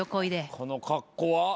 この格好は？